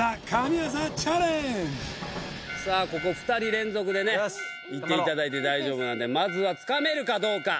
さあここ２人連続でねいっていただいて大丈夫なんでまずは掴めるかどうか？